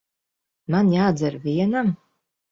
Man jādzer vienam?